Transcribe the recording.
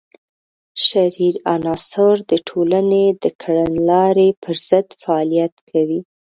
شریر عناصر د ټولنې د کړنلارې پر ضد فعالیت کوي.